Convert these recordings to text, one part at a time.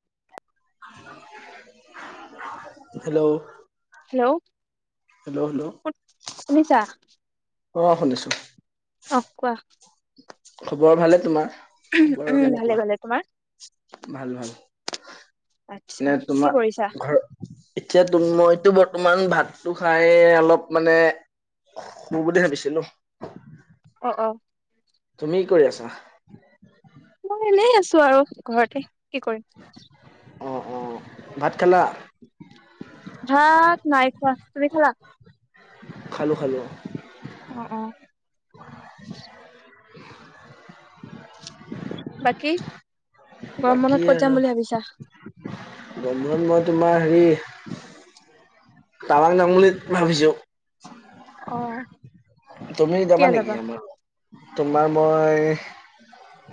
[unintelligible] Hello, hello hello, hello, শুনিছা? অ' শুনিছো। অহ', কোৱা। খবৰ ভালে তোমাৰ? খবৰ উম, ভালে কেনেকুৱা? ভালে। তোমাৰ? ভাল, ভাল। আচ্ছা, নে কি তোমাৰ কৰিছা? ঘৰ, এতিয়া মইতো বৰ্তমান ভাত টো খাই অলপ মানে, শুওঁ বুলি ভাবিছিলোঁ। অ', অ'। তুমি কৰি আছা? মই এনেই আছোঁ আৰু ঘৰতে। কি কৰিম? অ', অ', ভাত খালা? ভা নাই খোৱা, তুমি খালা? খালো খালো অ', অ'। বাকী গৰম বাকী বন্ধত ক'ত আৰু যাম বুলি ভাবিছা গৰম বন্ধত মই তোমাৰ হেৰি তাৱাং যাম বুলি ভাবিছো অ', তুমি যাবা নেকি আমাৰ [unintelligible] তোমাৰ মই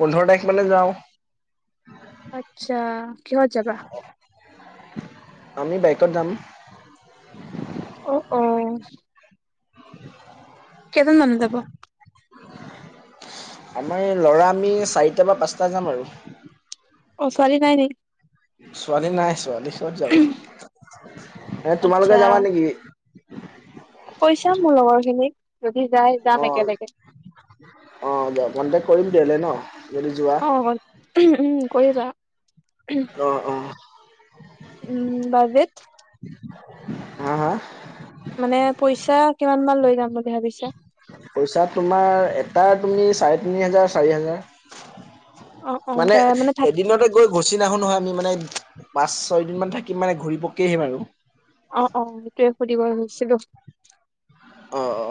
পোন্ধৰ তাৰিখ মানে যাওঁ আচ্ছা, কিহত যাবা আমি বাইকত যাম অ', কেজন মানু যাব আমাৰ এই ল'ৰা আমি চাৰিটা বা পাঁচটা যাম আৰু অ ', ছোৱালী নাই [unintelligible] ছোৱালী নাই ছোৱালী ক'ত যাব, এ তোমালোকে যাবা নেকি? কৈ চাও মোৰ লগৰ খিনিক যদি যায় অ যাম একেলগে অ', দিয়া কণ্টেক্ট কৰিম তেতিয়াহ'লে ন অ', উম, কৰিবা। [unintelligible] যোৱা অ', উম, বাজেট [inaudible] মানে, পইচা কিমান মান লৈ যাম বুলি ভাবিছা পইচা তোমাৰ এটা তুমি চাৰে তিনি হাজাৰ চাৰি অ অ হাজাৰ মানে তই থাক এদিনতে গৈ গুচি নাহু নহয় আমি মানে পাঁচ ছয় দিন মান থাকিম মানে ঘূৰি পক আহিম আৰু অ', অ', সেইটোৱে সুধিব খুজিছিলোঁ অ অ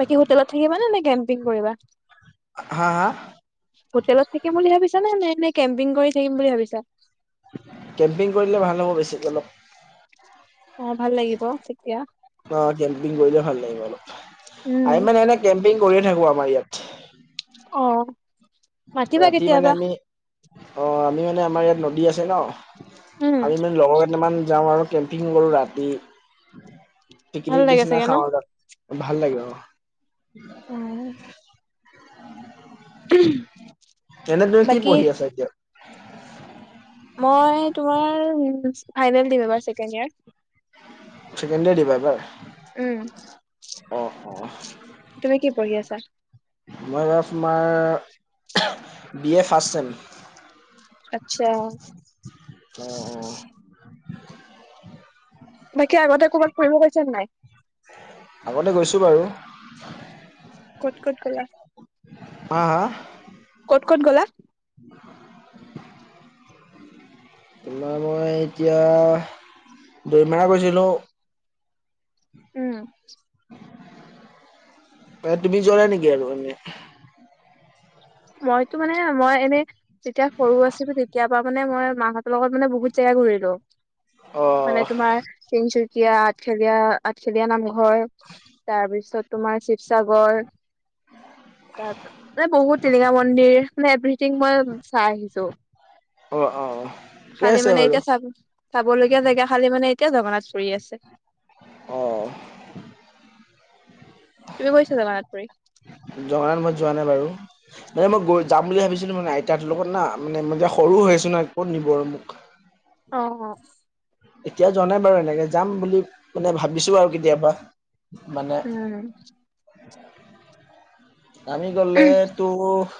বাকী হোটেলত থাকিবা নেনে কেম্পিং কৰিবা হা হা হোটেলত থাকিম বুলি ভাবিছো নে এনে নে কেম্পিং কৰি থাকিম বুলি ভাবিছ কেম্পিং কৰিলে ভাল হ'ব বেছি অলপ অ', ভাল লাগিব তেতিয়া অ কেম্পিং কৰিলে ভাল লাগিব অলপ, আৰু উম মানে এনে কেম্পিং কৰিয়ে থাকো আমাৰ ইয়াত অ', মাতিবা ৰাতি মানে কেতিয়াবা আমি অ', মি মানে আমাৰ ইয়াত নদী আছে ন, উম আমি মানে লগৰ কেইটামান যাওঁ আৰু কেম্পিং কৰো ৰাতি ভাল পিকনিক লাগে নিচিনা চাগে ন খাওঁ আৰু তাত ভাল লাগিব অ', [inaudible] [inaudible] এনে তুম কি বাকী পঢ়ি আছা এতিয়া মই তোমাৰ ফাইনেল দিম এইবাৰ ছেকেণ্ড ইয়াৰ চেকেণ্ডে দিবা ইবাৰ উম, তুমি কি পঢ়ি আছা? মই এবাৰ তোমাৰ বি এ ফাৰ্ষ্ট ছেম আচ্ছা, অ অ বাকী আগতে ক'বাত ফুৰিব পৈছে নে নাই আগতে গৈছো বাৰু ক'ত ক'ত গলা আ- ক'ত ক'ত গলা তোমাৰ মই এতিয়া, দুই মাহ গৈছিলোঁ উম। এ, তুমি যোৱা নাই নেকি? আৰু এনে মইতো মানে, মই এনে, যেতিয়া সৰু আছিলোঁ তেতিয়া ফুৰা মানে, মই মাহঁতৰ লগত মানে, বহুত জেগা ঘূৰিলোঁ। অ মানে তোমাৰ তিনিচুক কীয়া, আঠখেলীয়া, আঠখেলীয়া নামঘৰ, তাৰপিছত তোমাৰ শিৱসাগৰ তাৰ [unintelligible] টিলিঙা মন্দিৰ, মানে এভৰিথিং মই চাই আহিছোঁ। অ অ ঠিকে খালী আছে মানে বাৰু এতিয়া চাব-চাবলগীয়া জেগা, খালী মানে এতিয়া জগন্নাথ পুৰী আছে। অ'। তুমি গৈছা জগন্নাথ পুৰী? জগন্নাথ মই যোৱা নাই বাৰু। মানে মই গৈ, যাম বুলি ভাবিছিলোঁ, মানে আইতাক লগত না, মানে, মই যে সৰু সৰু হৈ আছোঁ না। ক'ত নিব আৰু মোক? অ', অ'। এতিয়া যোৱা নাই বাৰু। এনেকে যাম বুলি মানে, ভাবিছোঁ আৰু কেতিয়াবা মানে উম। আমি গ'লে তোৰ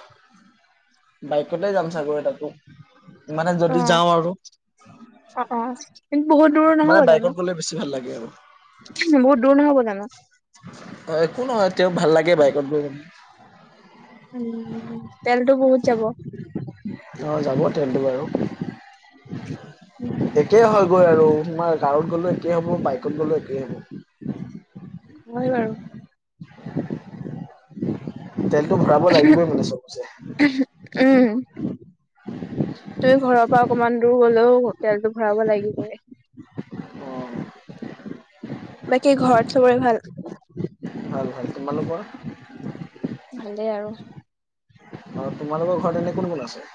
বাইকতে যাম চাগৈ [unintelligible] মানে যদি অ', যাওঁ আৰু অ', অ', কিন্তু বহুত দূৰ নহ'ব মানে জানো? বাইকত গ'লে বেছি ভাল লাগে আৰু বহুত দূৰ নহ'ব জানো? অ', একো নহয়। তেওঁ ভাল লাগে বাইকত গৈ। উম, তেলটো বহুত যাব। অ', যাব তেলটো বাৰু। উম। কৈ আৰু, তোমাৰ কাৰত গ'লেও একেই হ'ব, বাইকত গ'লেও একেই হ'ব। হয় বাৰু [inaudible] তেলটো ভৰাব লাগিবই, মানে চবতে উম, তুমি ঘৰৰ পৰা অকণমান দূৰ গ'লেও তেলটো ভৰাব লাগিবই। অ বাকী, ঘৰত চবৰে ভাল? ভাল, ভাল। তোমালোকৰ? ভালেই আৰু আৰু তোমালোকৰ ঘৰত এনে কোন-কোন আছে?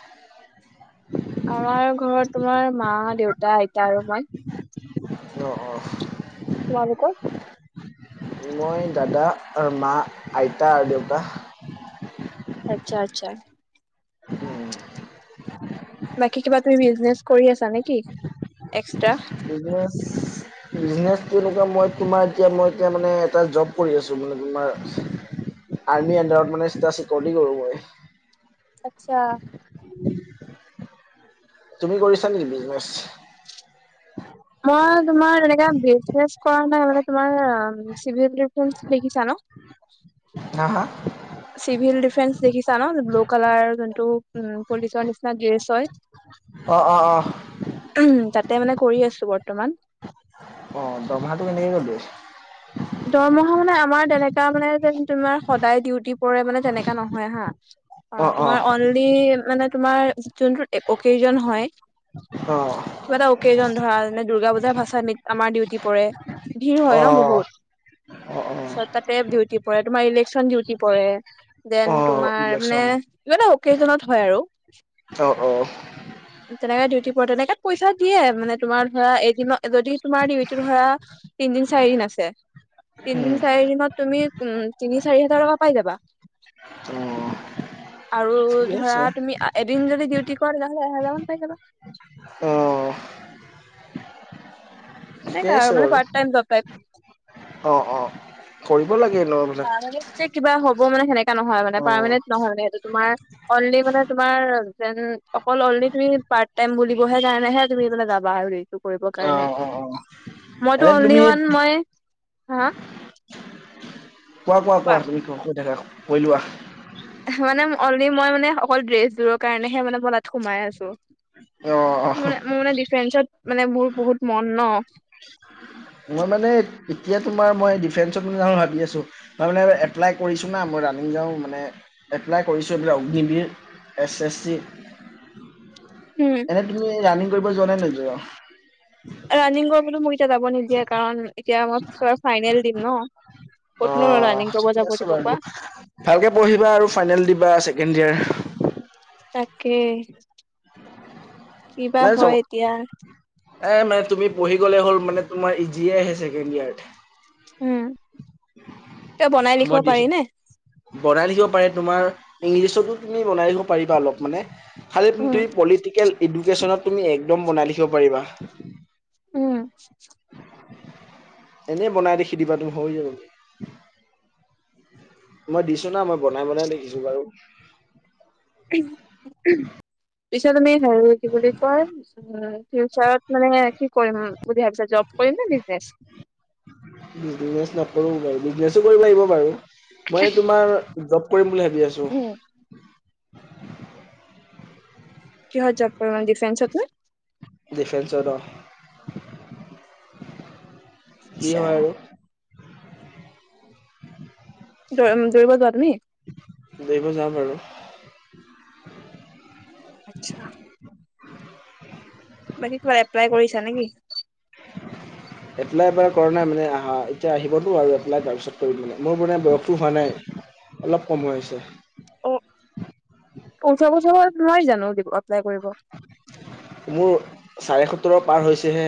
আমাৰ ঘৰত তোমাৰ, মা, দেউতা, আইতা আৰু মই। অ', অ'। তোমালোকৰ মই, দাদা, আৰু মা, আইতা আৰু দেউতা। আচ্ছা আচ্ছা। উম। বাকী, কিবা তুমি বিজনেছ কৰি আছা নেকি এক্সট্ৰা? বিজনেছটো এনেকুৱা। মই তোমাৰ, এতিয়া মই, এতিয়া মানে, এটা জব কৰি আছোঁ, মানে তোমাৰ আৰ্মিৰ আণ্ডাৰত মানে চিধা চিকিউৰিটি কৰোঁ মই। আচ্ছা। তুমি কৰিছা নি বিজনেছ? মই তোমাৰ তেনেকে বিজনেছ কৰা নাই। মানে তোমাৰ, আ, চিভিল [unintelligible] [unintelligible] দেখিছা ন? নাহা কলাৰৰ যোনটো, উম, পুলিচৰ নিচিনা ড্ৰেছ হয়। অ', অ', অহ। তাতে মানে কৰি আছোঁ বৰ্তমান। অ' দৰমহাটো কেনেকে গ'ল? দৰমহা মানে আমাৰ তেনেকা মানে যে তোমাৰ সদায় ডিউটি পৰে মানে তেনেকা নহয় হা। অ' তোমাৰ অনলি মানে তোমাৰ জোনটোত অকেজন হয় অ কিবা এটা অকেজন ধৰা যে দুূৰ্গা পূজাৰ ভাচানিত আমাৰ ডিউটি পৰে। ভিৰ অ হয় ন' বহুত। অ অ ছয়টাতে ডিউটি পৰে, তোমাৰ ইলেকচন ডিউটি পৰে। অ দেন তোমাৰ মানে ইলেকচন ইটা অকেজনত হয় আৰু। অ অ তেনেকে ডিউটি পৰে, তেনেকে পইচা দিয়ে মানে তোমাৰ ধৰা এদিনত যদি তোমাৰ ডিউটি ধৰা তিনদিন, চাৰি দিন আছে তিনদিন, উম চাৰিদিনত তুমি উ, তিনি, চাৰি হাজাৰ টকা পাই যাবা। অ আৰু ঠিকে ধৰা আছে তুমি এদিন যদি ডিউটি কৰা তেতিয়াহ'লে এহেজাৰ মান পাই যাবা। অ'। ঠিকে তেনেকা আছে মানে আৰু। পাৰ্ট টাইম জব টাইপ অ', অ, কৰিব লাগে। ন এইবিলাক পাৰ্মানেণ্ট যে কিবা হ'ব মানে সেনেকা নহয় মানে অ পাৰমানেণ্ট নহয় মানে সেইটো তোমাৰ অনলি মানে তোমাৰ যেন অকল অনলি তুমি পাৰ্ট টাইম বুলিবহে কাৰণেহে তুমি মানে যাবা হেৰি কৰিব অ কাৰনে, অ অ মইতো এনে অনলি তুমি ওৱান মই, হা? উম কোৱা কোৱা কোৱা, তুমি কৈ থাকা, কৰি লোৱা। মানে অনলি মই মানে অকল ড্ৰেছবোৰৰ কাৰণেহে মানে ম সোমাই আছোঁ। অ অ মোৰ মোৰ এ, ডিফেন্সত মানে মোৰ বহুত মন ন'। মই মানে এতিয়া তোমাৰ মই ডিফেন্সত মান যাওঁ ভাবি আছোঁ, তাৰমানে এপ্লাই কৰিছোঁ না, মই ৰানিং যাওঁ মানে এ এপ্লাই কৰিছোঁ এইবিলাক অগ্নিবিৰ, এছ এছ চি। উম এনেই তুমি ৰাণিং কৰিব যোৱা নে নোযোৱা? ৰানিং কৰিবলৈ মোক এতিয়া যাব নিদিয়ে কাৰণ এতিয়া মই ফাইনেল দিম ন'। ক'তনো অ' ৰানিং কৰিব ঠিকে যাব আছে দিব কোৱা। বাৰু। ভালকে পঢ়িবা আৰু ফাইনেল দিবা। কেণ্ডিয়াৰ। তাকেই। কি বা মানে চব হয় এতিয়া। এ, মানে তুমি পঢ়ি গ'লে হ'ল মানে তোমাৰ ইজিয়ে আহে ছেকেণ্ড ইয়াৰত। উম, ত' বনাই মই লিখিব দিছো পাৰি নে? বনাই ৰাখিব পাৰে, তোমাৰ ইংলিছতো তুমি বনাই লিখিব পাৰিবা অলপ মানে। খালি উম, তুমি পলিটিকেল, এডুকেশ্যনত তুমি একদম বনাই লিখিব পাৰিবা। উম। এনেই বনাই লিখি দিবা তুমি হৈ যাব। মই দিছোঁ না, মই বনাই বনাই লিখিছোঁ বাৰু। পিছত তুমি হে কি বুলি কয় উ, ফিউচাৰত মানে কি কৰিম বুলি ভাবিছা জব কৰিম নে বিজনেছ? বিজনেচ নকৰো বাৰু বিজনেছো কৰিব লাগিব বাৰু, মই তোমাৰ জব কৰিম বুলি ভাবি আছোঁ। উম, [inaudible] কিহত জব কৰিবা ডিফেন্সত নে? ডিফেন্ঞ্চত অ'। কি আচ্ছা হয় আৰু। দৌ-দৌৰিব যোৱা তুমি? দৌৰিব যাওঁ বাৰু। আচ্ছা। বাকী কিবা এপ্লাই কৰিছা নেকি? এপ্লাই এপ্লাই কৰা নাই মানে আহা এতিয়া আহিবতো আৰু এপ্লাই তাৰপিছত কৰিম মানে, মোৰ মানে বয়সো হোৱা নাই। অলপ কম হৈ আছে। অ' ওঠৰ বছৰৰ তলত নোৱাৰি জানো দিব এপ্লাই কৰিব? মোৰ চাৰে সুতৰ' পাৰ হৈছেহে।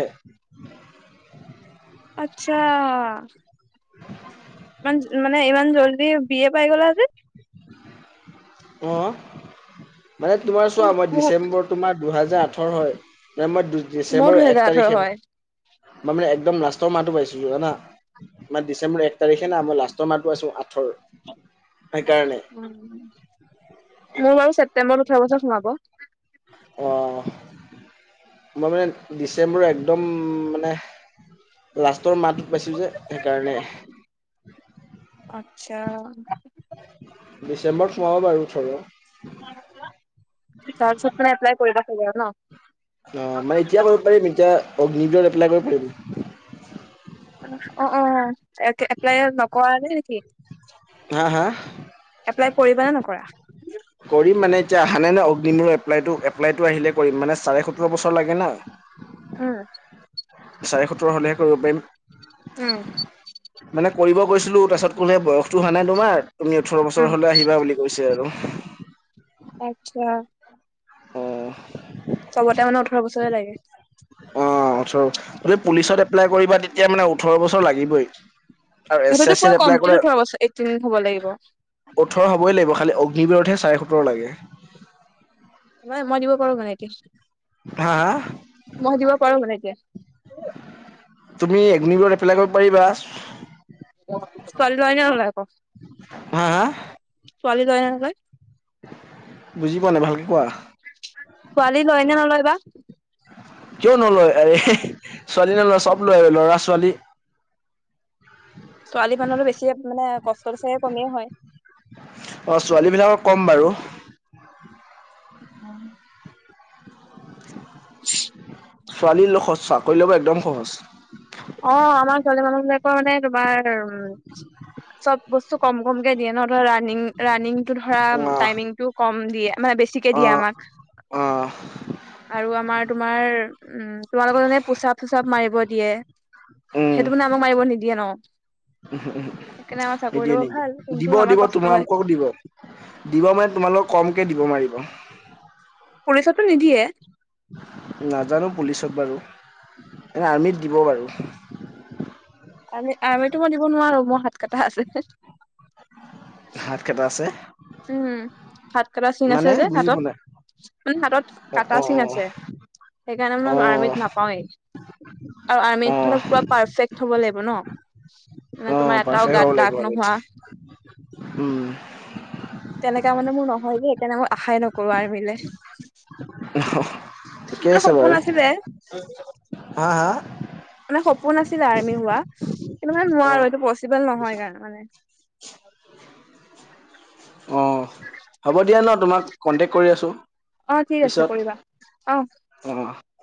আচ্ছা। ইমান মানে ইমান জল্দি বিয় পাই গ'লা যে? অ' মানে তোমাৰ চোৱা, মই মোৰ ডিচেম্বৰ তোমাৰ দুহেজাৰ আঠৰ হয় ন মই মোৰ ডিচেম্বৰ এক দুহেজাৰ ওঠৰ তাৰিখে, হয়। মানে একদম না লাষ্টৰ মাহটো পাইছো জানা, আমাৰ ডিচেম্বৰ এক তাৰিখে না মই লাষ্টৰ মাহটো আছো আঠৰ সেইকাৰণে। মোৰ বাৰু ছেপ্তেম্বৰত ওঠৰ বছৰত সোমাব অ' মই মানে ডিচেম্বৰ একদম মানে লাচ তোৰ মাত পাইছোঁ যে, সেইকাৰণে। আচ্ছা। ডিচেম্বৰত সোমাব বাৰু ওঠৰ। [unintelligible] তাৰ পিছৰ পৰা এপ্লাই কৰিবা চাগে নহ? অ'! মানে, এতিয়া কৰিব পাৰিম। এতিয়া, [unintelligible] এপ্লাই কৰিব পাৰিম। অ'! অ'! এ, এপ্লাই নকৰা নাই নেকি? হা হা। এপ্লাই কৰিবা নে নকৰা? কৰিম। মানে, এতিয়া আহা নাই ন' [unintelligible] এপ্লাইটো। এপ্লাইটো আহিলে কৰিম। মানে, চাৰে সোঁতৰ বছৰ লাগে না। উম চাৰে সত্তৰ হলেহে কৰিব পাৰিম উম'। মানে কৰিব গৈছিলোঁ তাৰপিছত কলে বয়সটো হোৱা নাই তোমাৰ, তুমি ওঠৰ উম বছৰ হ'লে আহিবা বুলি কৈছে আৰু আচ্ছা অ' চ'বতে মানে ওঠৰ বছৰে লাগে অ'! ওঠৰ, যদি পুলিচত এপ্লাই কৰিবা, তেতিয়া মানে, ওঠৰ বছৰ লাগিবই। আৰু এছ চি সেইটোতো এছ পুৰা চিত এপ্লাই কমপ্লিট কৰা উঠোৱা বছ এইটিন হ'ব লাগিব ওঠৰ হ'বই লাগিব। খালি, [unintelligible] চাৰে সোঁতৰ লাগে। মানে, মই দিব পাৰো মানে তিছ হা হা মই দিব পাৰোঁ সনেকে। তুমি, [unintelligible] এপ্লাই কৰিব পাৰিবা? ছোৱালী লয় ন' নলয় আকৌ? হা হা ছোৱালী লয় ন' নলয়? বুজি পোৱা নাই, ভালকে ছোৱালী কোৱা [unintelligible] কিয় নলয়? এ! ছোৱালী নলয়, চব লয় ল'ৰা- ছোৱালী। ছোৱালী মানুহৰটো বেছিয়েই মানে কষ্টটো চাগে কমিয়েই হয় অ ছোৱালী বিলাকক ক'ম বাৰু অ'! [unintelligible] ছোৱালীৰ [unintelligible] চাকৰি ল'ব একদম সহজ। অ' আমাৰ ছোৱালী মানুহ বিলাকৰ মানে তোমাৰ চব বস্তু কম, কমকে দিয়ে ন? ৰানিং ৰানিংটো ধৰা অ টাইমিং টো কম দিয়ে মানে বেছিকে অ দিয়ে আমাক অ' আৰু আমাৰ তোমাৰ, উম! তোমালোকৰ [unintelligible] পোশআপ-চোশআপ মাৰিব দিয়ে। সেইটো মানে আমাক মাৰিব নিদিয়ে ন? সেইকাৰণে আমাৰ [unintelligible] চাকৰি ল'ব ভাল নিদিয়ে-নিদিয়ে। কিন্তু আমাৰ দিব-দিব, কষ্ট হয় তোমালোকৰো দিব। দিব মানে, তোমালোকৰ কমকে দিব মাৰিব। পুলিছটো নিদিয়ে? নাজানোঁ পুলিচত বাৰু। এনে, আৰ্মিত দিব বাৰু। আৰ্মি, আৰ্মিতো মই দিব নোৱাৰো, মোৰ হাত কটা আছে হাত কাটা আছে উম! হাত কটা চিন আছে মানে যে বুজি হাতত? পোৱা নাই মানে, হাতত অ কাটা অ চিন আছে। সেইকাৰণে মানে, অ আৰ্মিত অ নাপাওঁৱেই। আৰু অ আৰ্মিত ধ লক পুৰা পাৰফেক্ট হ'ব লাগিব ন মানে তোমাৰ অ', এটাও পাৰফেক্ গাত হব দাগ লাগিব নোহোৱা আৰুঠয়া উম তেনেককা মানে মোৰ নহয় যে সেইকাৰণে মই আশাই নকৰো আ মিলে আহ ঠিকেই আছে বাৰু আছিলে হা, হা মানে সপোন আাছিলে আৰ্মি হোৱা, কিন্তুমান অ নোৱাৰো এইটো পচিবল নহয় মানে, অ হ'ব দিয়া ন, তোমাক কন্টেক্ট কৰি আছো অ ঠিক আছে পিছত কৰিবা অ অ',